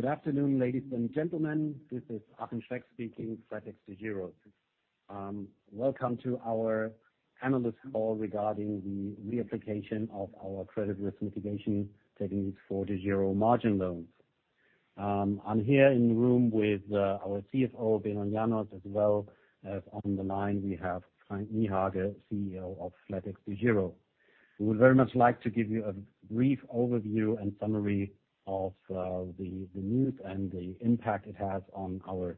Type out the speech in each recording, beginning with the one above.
Good afternoon, ladies and gentlemen, this is Achim Schreck speaking, flatexDEGIRO. Welcome to our analyst call regarding the reapplication of our credit risk mitigation techniques for DEGIRO margin loans. I'm here in the room with our CFO, Benon Janos, as well as on the line, we have Frank Niehage, CEO of flatexDEGIRO. We would very much like to give you a brief overview and summary of the news and the impact it has on our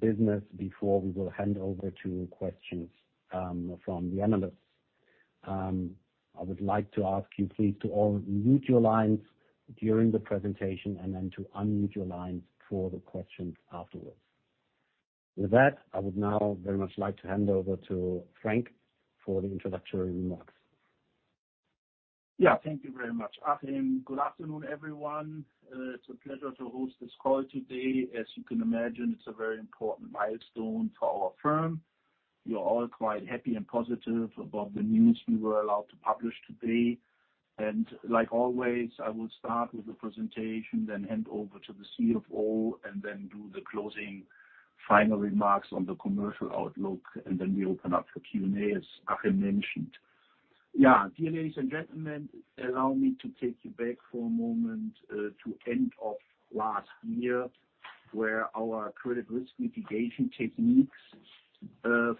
business before we will hand over to questions from the analysts. I would like to ask you please, to all mute your lines during the presentation, and then to unmute your lines for the questions afterwards. With that, I would now very much like to hand over to Frank for the introductory remarks. Yeah, thank you very much, Achim. Good afternoon, everyone. It's a pleasure to host this call today. As you can imagine, it's a very important milestone for our firm. We are all quite happy and positive about the news we were allowed to publish today. And like always, I will start with the presentation, then hand over to the CFO, and then do the closing final remarks on the commercial outlook, and then we open up for Q&A, as Achim mentioned. Yeah, dear ladies and gentlemen, allow me to take you back for a moment, to end of last year, where our credit risk mitigation techniques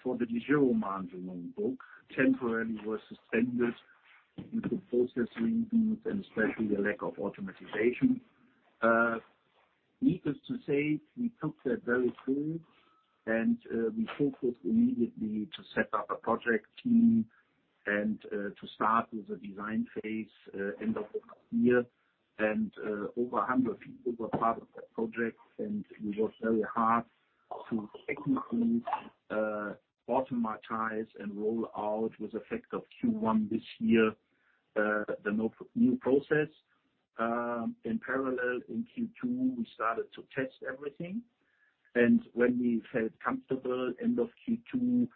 for the DEGIRO margin loan book temporarily were suspended due to process reasons, and especially a lack of automation. Needless to say, we took that very seriously, and we focused immediately to set up a project team and to start with the design phase, end of last year. Over 100 people were part of that project, and we worked very hard to technically automate and roll out with effect of Q1 this year, the new process. In parallel, in Q2, we started to test everything, and when we felt comfortable, end of Q2,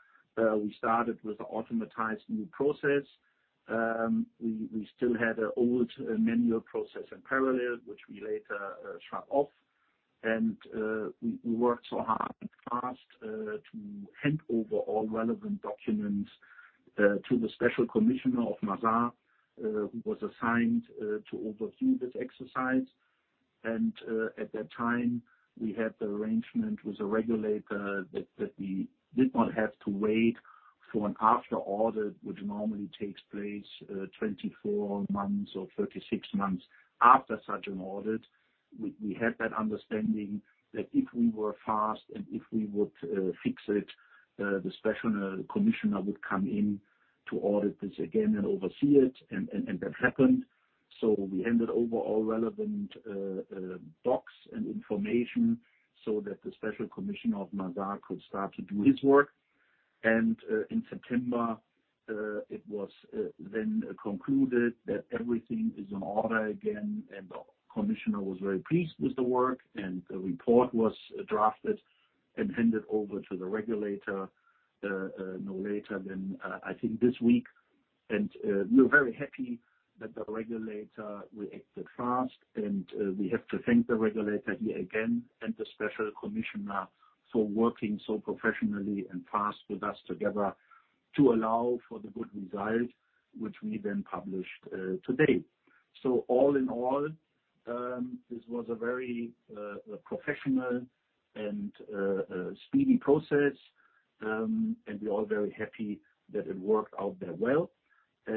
we started with the automated new process. We still had an old manual process in parallel, which we later shut off. We worked so hard and fast to hand over all relevant documents to the special commissioner of Mazars, who was assigned to overview this exercise. At that time, we had the arrangement with the regulator that we did not have to wait for an after audit, which normally takes place 24 months or 36 months after such an audit. We had that understanding that if we were fast and if we would fix it, the special commissioner would come in to audit this again and oversee it, and that happened. So we handed over all relevant docs and information so that the special commissioner of Mazars could start to do his work. In September, it was then concluded that everything is in order again, and the commissioner was very pleased with the work, and the report was drafted and handed over to the regulator no later than, I think this week. We're very happy that the regulator reacted fast, and we have to thank the regulator here again and the special commissioner for working so professionally and fast with us together to allow for the good result, which we then published today. So all in all, this was a very professional and speedy process, and we're all very happy that it worked out that well. Yeah,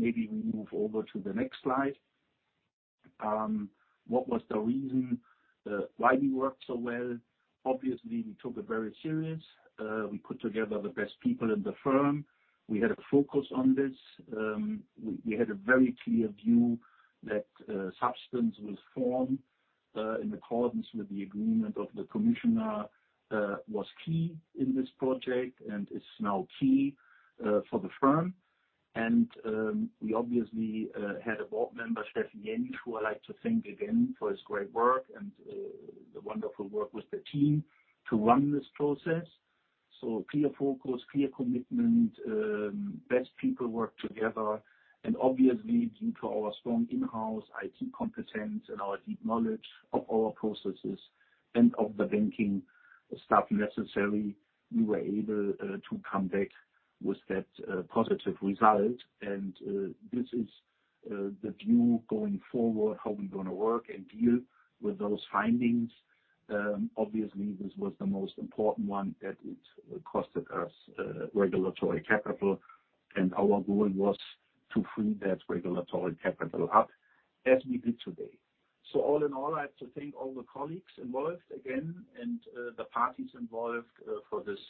maybe we move over to the next slide. What was the reason why we worked so well? Obviously, we took it very serious. We put together the best people in the firm. We had a focus on this. We had a very clear view that substance was formed in accordance with the agreement of the commissioner, was key in this project and is now key for the firm. We obviously had a board member, Steffen Jentsch, who I'd like to thank again for his great work and the wonderful work with the team to run this process. So clear focus, clear commitment, best people work together, and obviously, due to our strong in-house IT competence and our deep knowledge of our processes and of the banking stuff necessary, we were able to come back with that positive result. This is the view going forward, how we're gonna work and deal with those findings. Obviously, this was the most important one, that it cost us regulatory capital, and our goal was to free that regulatory capital up, as we did today. So all in all, I have to thank all the colleagues involved again, and the parties involved for this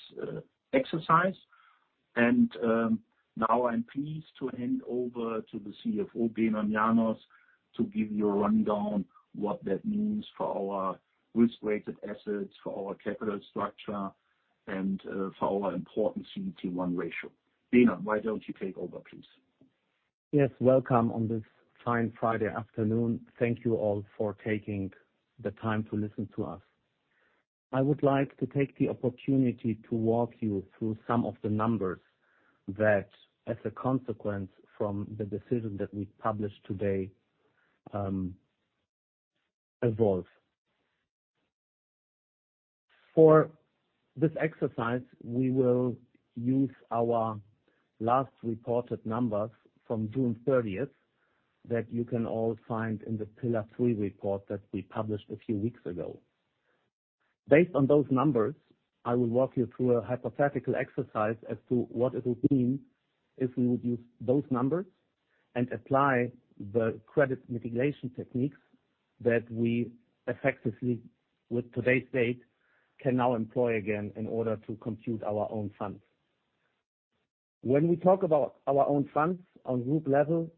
exercise. Now I'm pleased to hand over to the CFO, Benon Janos, to give you a rundown what that means for our risk-weighted assets, for our capital structure, and for our important CET1 ratio. Benon, why don't you take over, please? Yes, welcome on this fine Friday afternoon. Thank you all for taking the time to listen to us. I would like to take the opportunity to walk you through some of the numbers that, as a consequence from the decision that we published today, evolve. For this exercise, we will use our last reported numbers from June 30th, that you can all find in the Pillar Three Report that we published a few weeks ago. Based on those numbers, I will walk you through a hypothetical exercise as to what it will mean if we would use those numbers and apply the credit mitigation techniques that we effectively, with today's date, can now employ again in order to compute our own funds. When we talk about our own funds on group level,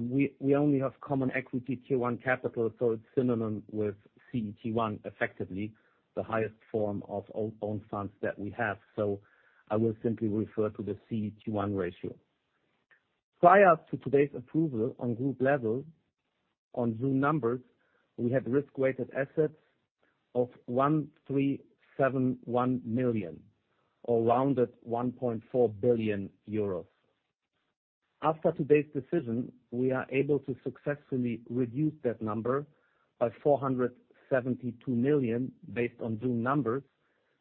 we only have Common Equity Tier 1 capital, so it's synonymous with CET1, effectively, the highest form of own funds that we have. So I will simply refer to the CET1 ratio. Prior to today's approval on group level, on June numbers, we had risk-weighted assets of 1,371 million, or rounded, 1.4 billion euros. After today's decision, we are able to successfully reduce that number by 472 million based on June numbers,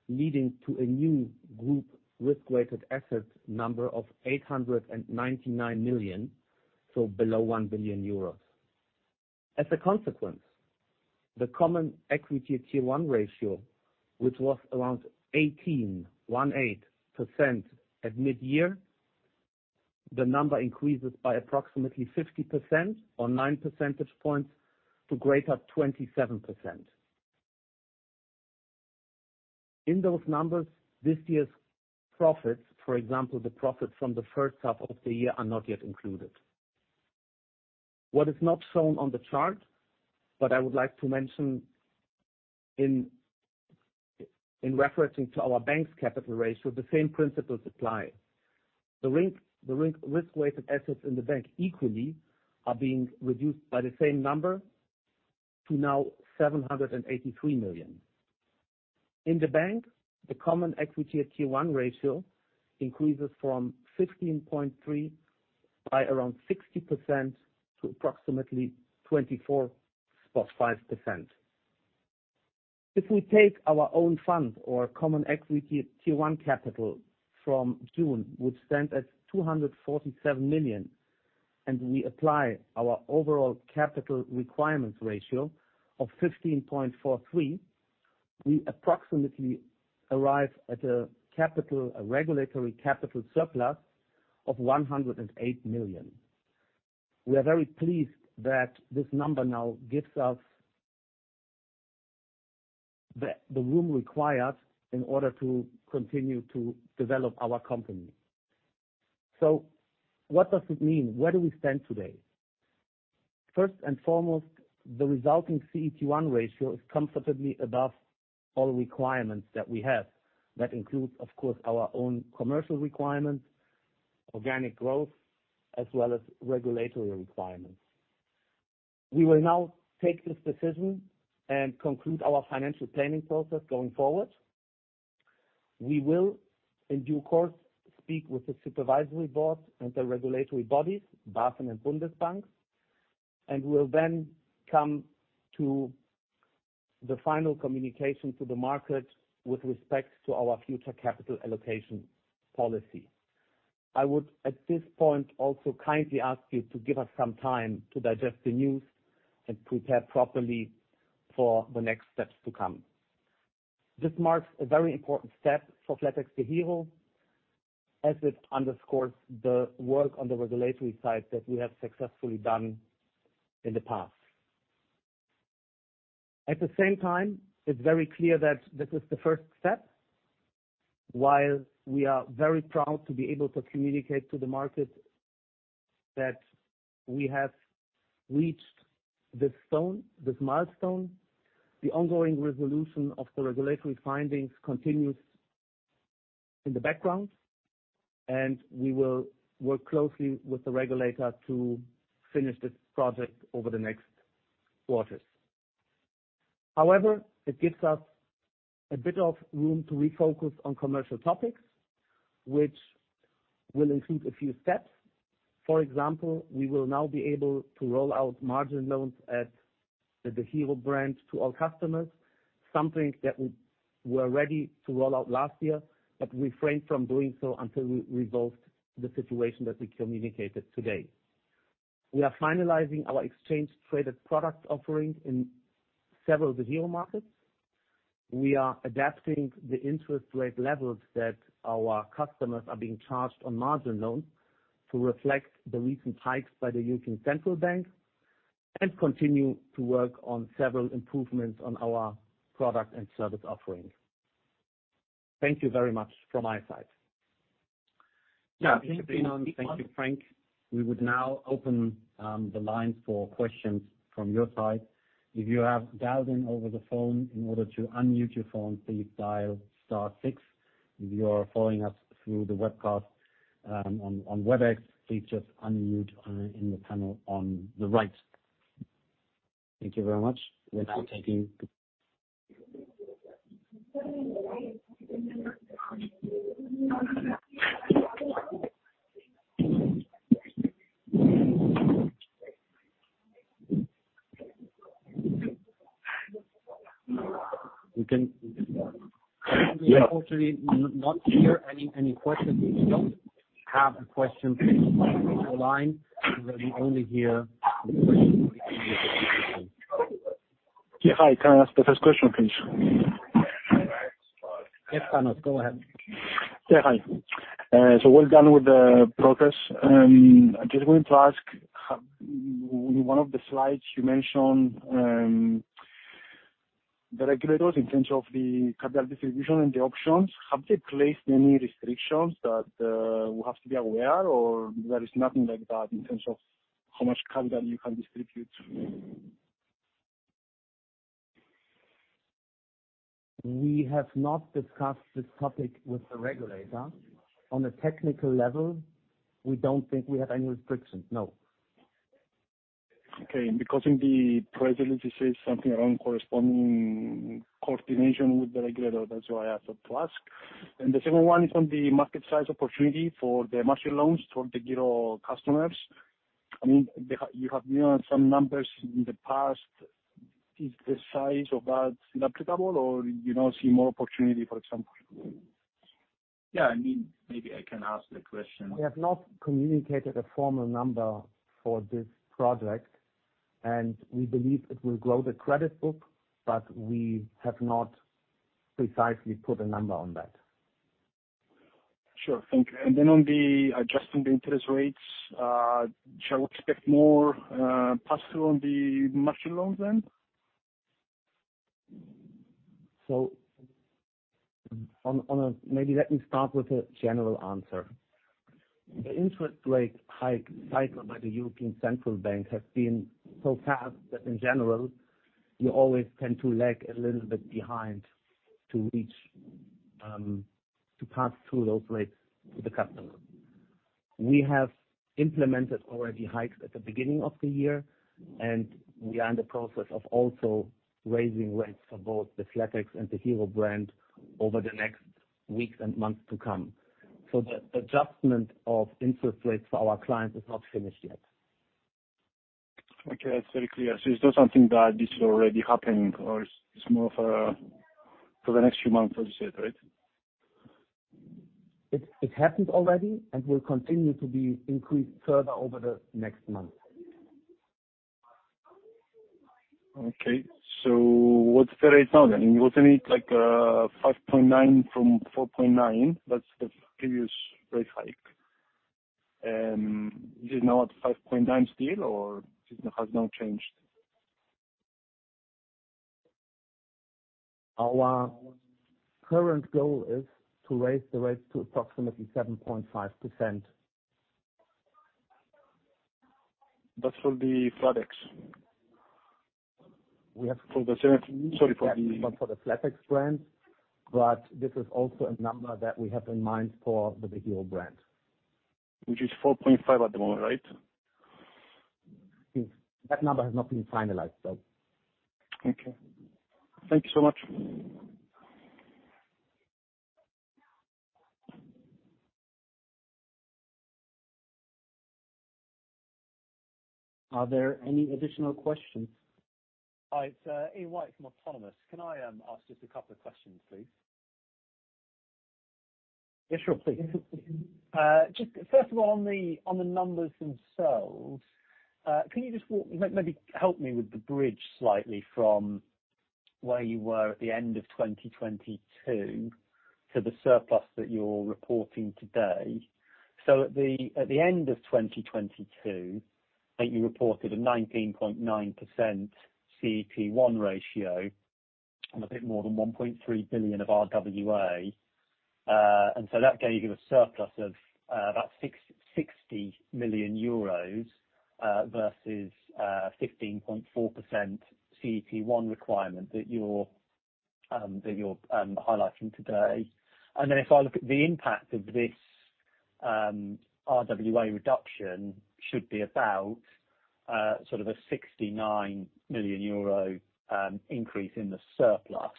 leading to a new group risk-weighted asset number of 899 million, so below 1 billion euros. As a consequence, the Common Equity Tier 1 ratio, which was around 18.18% at midyear, the number increases by approximately 50%, or nine percentage points, to greater than 27%. In those numbers, this year's profits, for example, the profits from the first half of the year, are not yet included. What is not shown on the chart, but I would like to mention in referencing to our bank's capital ratio, the same principles apply. The risk-weighted assets in the bank equally are being reduced by the same number to now 783 million. In the bank, the Common Equity Tier 1 ratio increases from 15.3% by around 60% to approximately 24.5%. If we take our own fund or Common Equity Tier 1 capital from June, which stands at 247 million, and we apply our overall capital requirements ratio of 15.43%, we approximately arrive at a capital, a regulatory capital surplus of 108 million. We are very pleased that this number now gives us the room required in order to continue to develop our company. So what does it mean? Where do we stand today? First and foremost, the resulting CET1 ratio is comfortably above all requirements that we have. That includes, of course, our own commercial requirements, organic growth, as well as regulatory requirements. We will now take this decision and conclude our financial planning process going forward. We will, in due course, speak with the supervisory board and the regulatory bodies, Basel and Bundesbank, and will then come to the final communication to the market with respect to our future capital allocation policy. I would, at this point, also kindly ask you to give us some time to digest the news and prepare properly for the next steps to come. This marks a very important step for flatexDEGIRO, as it underscores the work on the regulatory side that we have successfully done in the past. At the same time, it's very clear that this is the first step. While we are very proud to be able to communicate to the market that we have reached this stone, this milestone, the ongoing resolution of the regulatory findings continues in the background, and we will work closely with the regulator to finish this project over the next quarters. However, it gives us a bit of room to refocus on commercial topics, which will include a few steps. For example, we will now be able to roll out Margin Loans at the DEGIRO brand to all customers, something that we were ready to roll out last year, but refrained from doing so until we resolved the situation that we communicated today. We are finalizing our Exchange-Traded Product offering in several DEGIRO markets. We are adapting the interest rate levels that our customers are being charged on margin loans to reflect the recent hikes by the European Central Bank, and continue to work on several improvements on our product and service offerings. Thank you very much from my side. Yeah, thank you, Frank. We would now open the lines for questions from your side. If you have dialed in over the phone, in order to unmute your phone, please dial star six. If you are following us through the webcast, on WebEx, please just unmute in the panel on the right. Thank you very much. Without taking we can unfortunately not hear any, any questions. We don't have a question on the line. We only hear Yeah, hi. Can I ask the first question, please? Yes, Carlos, go ahead. Yeah, hi. So well done with the progress. I just wanted to ask, one of the slides you mentioned, the regulators in terms of the capital distribution and the options, have they placed any restrictions that we have to be aware or there is nothing like that in terms of how much capital you can distribute? We have not discussed this topic with the regulator. On a technical level, we don't think we have any restrictions. No. Okay. Because in the presentation, he said something around corresponding coordination with the regulator. That's why I have to ask. The second one is on the market size opportunity for the margin loans from the DEGIRO customers. I mean, they have, you have, you know, some numbers in the past. Is the size of that still applicable or you now see more opportunity, for example? Yeah, I mean, maybe I can ask the question. We have not communicated a formal number for this project, and we believe it will grow the credit book, but we have not precisely put a number on that. Sure. Thank you. And then on the adjusting the interest rates, shall we expect more pass-through on the margin loans then? Maybe let me start with a general answer. The interest rate hike cycle by the European Central Bank has been so fast that in general, you always tend to lag a little bit behind to reach, to pass through those rates to the customer. We have implemented already hikes at the beginning of the year, and we are in the process of also raising rates for both the flatex and the DEGIRO brand over the next weeks and months to come. So the adjustment of interest rates for our clients is not finished yet. Okay, that's very clear. So it's not something that this is already happening or it's more for, for the next few months, I would say, right? It happened already and will continue to be increased further over the next month. Okay. So what's the rate now then? You ultimately need, like, 5.9 from 4.9. That's the previous rate hike. Is it now at 5.9 still, or it has not changed? Our current goal is to raise the rate to approximately 7.5%. That's for the flatex. We have Sorry, for the, For the flatex brand, but this is also a number that we have in mind for the DEGIRO brand. Which is 4.5 at the moment, right? That number has not been finalized, though. Okay. Thank you so much. Are there any additional questions? Hi, it's Ian White from Autonomous. Can I ask just a couple of questions, please? Yes, sure. Please. Just first of all, on the numbers themselves, can you just help me with the bridge slightly from where you were at the end of 2022 to the surplus that you're reporting today? So at the end of 2022, I think you reported a 19.9% CET1 ratio and a bit more than 1.3 billion of RWA. And so that gave you a surplus of about 60 million euros versus 15.4% CET1 requirement that you're highlighting today. And then if I look at the impact of this RWA reduction should be about sort of a 69 million euro increase in the surplus.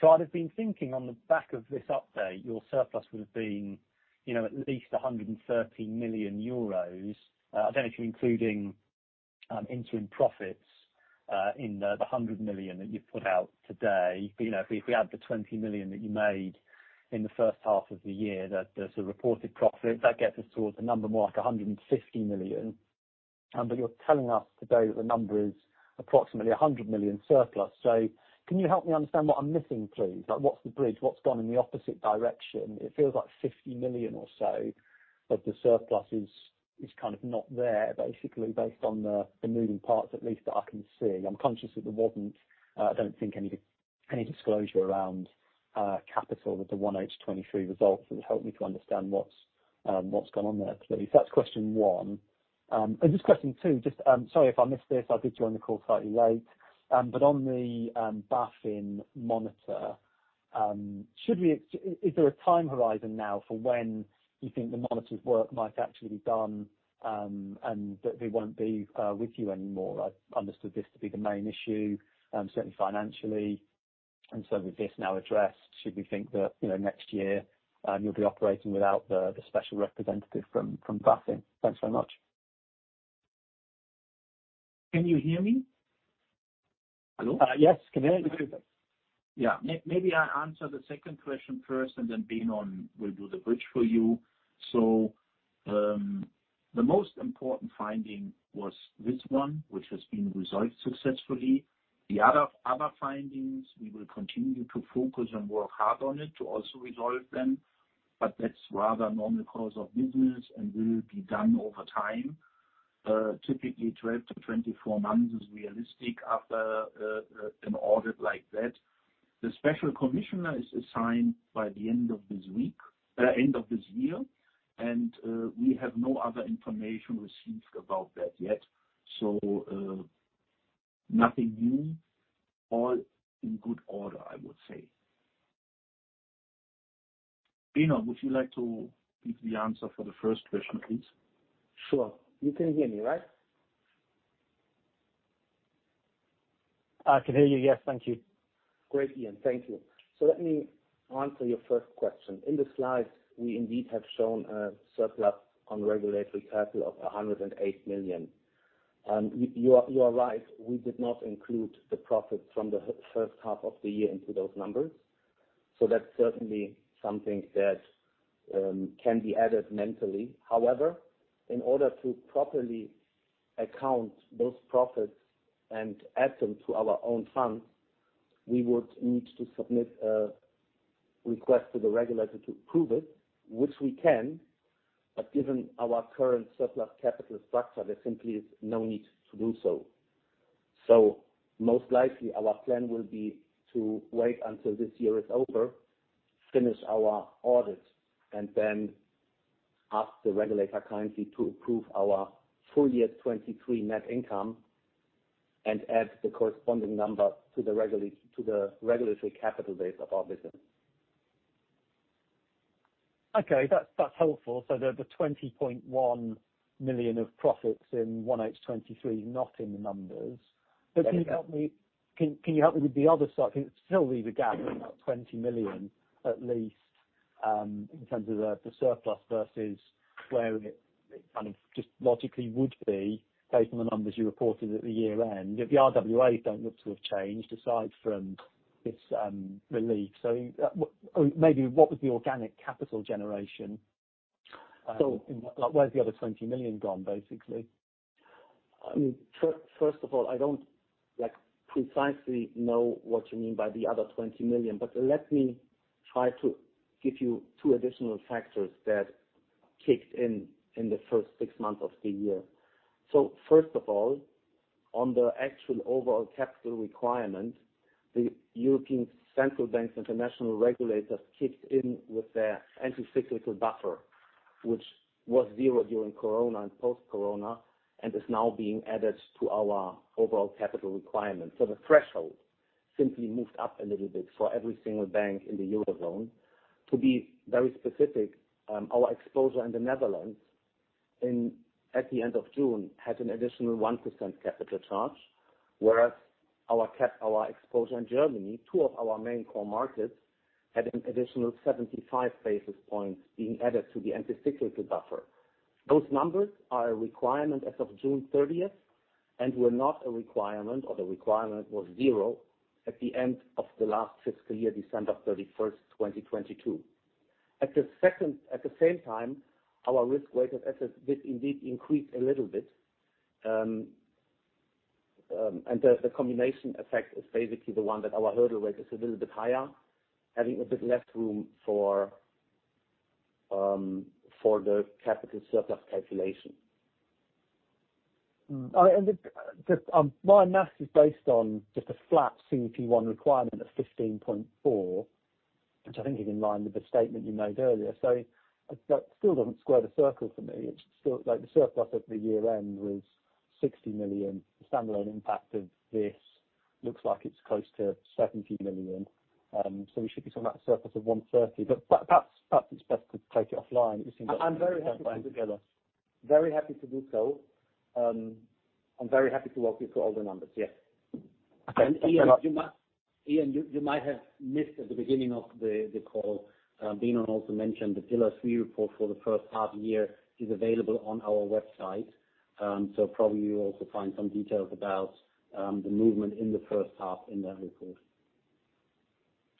So I'd have been thinking on the back of this update, your surplus would have been, you know, at least 130 million euros. I don't know if you're including interim profits in the 100 million that you've put out today. But, you know, if we add the 20 million that you made in the first half of the year, that there's a reported profit, that gets us towards a number more like 150 million. But you're telling us today that the number is approximately 100 million surplus. So can you help me understand what I'm missing, please? Like, what's the bridge? What's gone in the opposite direction? It feels like 50 million or so of the surplus is kind of not there, basically, based on the moving parts, at least that I can see. I'm conscious that there wasn't I don't think any disclosure around capital with the 1H 2023 results. It would help me to understand what's gone on there, please. That's question one. And just question two, just sorry if I missed this, I did join the call slightly late. But on the BaFin monitoring, is there a time horizon now for when you think the monitor's work might actually be done, and that they won't be with you anymore? I've understood this to be the main issue, certainly financially. And so with this now addressed, should we think that you know next year you'll be operating without the special representative from BaFin? Thanks so much. Can you hear me? Hello? Yes. Can you hear me? Yeah. Maybe I answer the second question first, and then Benon will do the bridge for you. So, the most important finding was this one, which has been resolved successfully. The other findings, we will continue to focus and work hard on it to also resolve them, but that's rather normal course of business and will be done over time. Typically, 12 to 24 months is realistic after an audit like that. The Special Commissioner is assigned by the end of this week, end of this year, and we have no other information received about that yet. So, nothing new. All in good order, I would say. Benon, would you like to give the answer for the first question, please? Sure. You can hear me, right? I can hear you, yes. Thank you. Great, Ian. Thank you. So let me answer your first question. In the slides, we indeed have shown a surplus on regulatory capital of 108 million. And you are right, we did not include the profit from the first half of the year into those numbers. So that's certainly something that can be added mentally. However, in order to properly account those profits and add them to our own funds, we would need to submit a request to the regulator to approve it, which we can, but given our current surplus capital structure, there simply is no need to do so. Most likely, our plan will be to wait until this year is over, finish our audit, and then ask the regulator kindly to approve our full year 2023 net income, and add the corresponding number to the regulatory capital base of our business. Okay, that's helpful. So the 20.1 million of profits in 1H 2023, not in the numbers. Yeah. But can you help me? Can, can you help me with the other side? I think it still leaves a gap of about 20 million, at least, in terms of the surplus versus where it kind of just logically would be, based on the numbers you reported at the year-end. The RWA don't look to have changed aside from this relief. So, what, or maybe what was the organic capital generation? So- Like, where's the other 20 million gone, basically? I mean, first of all, I don't, like, precisely know what you mean by the other 20 million, but let me try to give you two additional factors that kicked in, in the first six months of the year. So first of all, on the actual overall capital requirement, the European Central Bank's international regulators kicked in with their anti-cyclical buffer, which was zero during Corona and post-Corona, and is now being added to our overall capital requirement. So the threshold simply moved up a little bit for every single bank in the Eurozone. To be very specific, our exposure in the Netherlands in at the end of June, had an additional 1% capital charge, whereas our exposure in Germany, two of our main core markets, had an additional 75 basis points being added to the anti-cyclical buffer. Those numbers are a requirement as of June 30th, and were not a requirement, or the requirement was zero, at the end of the last fiscal year, December 31st, 2022. At the same time, our risk-weighted assets did indeed increase a little bit. And the combination effect is basically the one that our hurdle rate is a little bit higher, having a bit less room for the capital surplus calculation. And my math is based on just a flat CET1 requirement of 15.4, which I think is in line with the statement you made earlier. So that still doesn't square the circle for me. It's still... Like, the surplus at the year-end was 60 million. The standalone impact of this looks like it's close to 70 million. So we should be talking about a surplus of 130 million. But, perhaps, it's best to take it offline. It seems- I'm very happy to do that. Very happy to do so. I'm very happy to walk you through all the numbers. Yes. Okay. Thank you very much. Ian, you might have missed at the beginning of the call. Benon also mentioned the Pillar Three Report for the first half year is available on our website. So probably you'll also find some details about the movement in the first half in that report.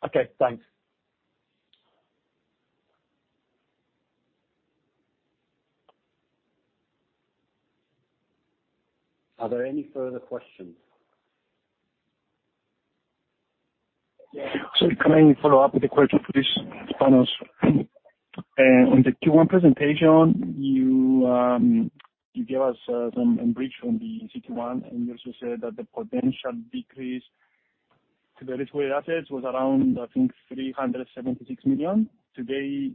Okay, thanks. Are there any further questions? Yeah. So can I follow up with a question, please, Benon? On the Q1 presentation, you, you gave us some update on the CET1, and you also said that the potential decrease in the risk-weighted assets was around, I think, 376 million. Today,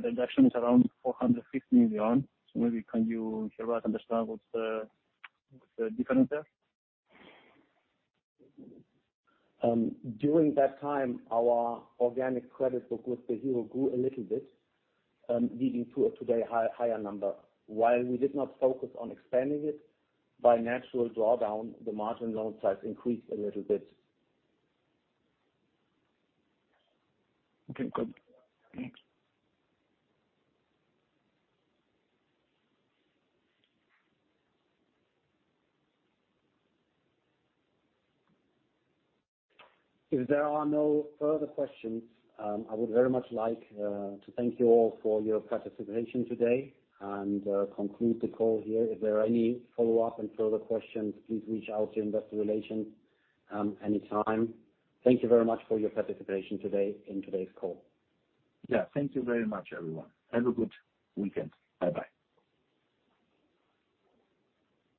the reduction is around 450 million. So maybe can you help us understand what's the, what's the difference there? During that time, our organic credit book with DEGIRO grew a little bit, leading to a today higher number. While we did not focus on expanding it, by natural drawdown, the margin loan size increased a little bit. Okay, good. Thanks. If there are no further questions, I would very much like to thank you all for your participation today and conclude the call here. If there are any follow-up and further questions, please reach out to Investor Relations, anytime. Thank you very much for your participation today in today's call. Yeah, thank you very much, everyone. Have a good weekend. Bye-bye.